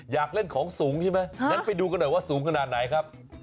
อยากเล่นของสูงใช่ไหมงั้นไปดูกันหน่อยว่าสูงขนาดไหนครับ